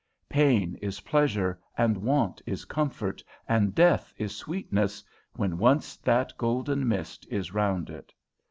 Pain is pleasure, and want is comfort, and death is sweetness when once that golden mist is round it.